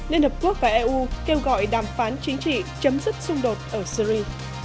liên hợp quốc và eu kêu gọi đàm phán chính trị chấm dứt xung đột ở syri